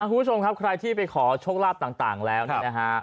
โอ้คุณผู้ชมครับใครที่ไปขอโชคลาสต่างแล้วนะครับ